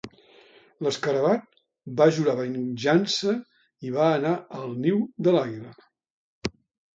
L'escarabat va jurar venjança i va anar al niu de l'àguila.